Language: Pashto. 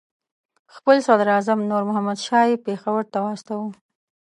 خپل صدراعظم نور محمد شاه یې پېښور ته واستاوه.